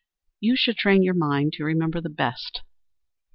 You should train your mind to remember the best.